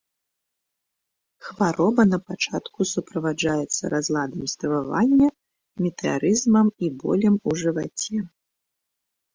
Хвароба на пачатку суправаджаецца разладам стрававання, метэарызмам і болем у жываце.